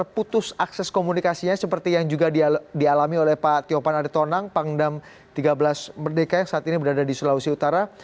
jadi daerah daerah itu memang terputus akses komunikasinya seperti yang juga dialami oleh pak tiopan adetonang pangdam tiga belas merdeka yang saat ini berada di sulawesi utara